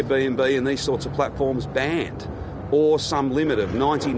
beberapa orang ingin airbnb dan platform seperti ini dibantah